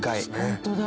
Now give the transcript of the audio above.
ホントだ。